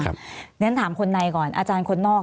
เดี๋ยวฉันถามคนในก่อนอาจารย์คนนอก